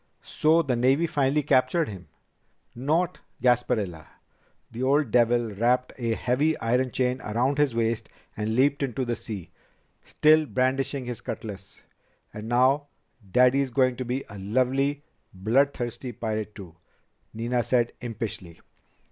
"So the Navy finally captured him?" "Not Gasparilla! The old devil wrapped a heavy iron chain around his waist and leaped into the sea, still brandishing his cutlass." "And now Daddy is going to be a lovely, bloodthirsty pirate too," Nina said impishly.